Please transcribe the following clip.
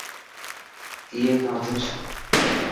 ائي کان پڇ.